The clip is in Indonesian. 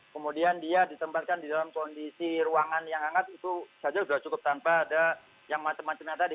kemudian dia ditempatkan di dalam kondisi ruangan yang hangat itu saja sudah cukup tanpa ada yang macam macamnya tadi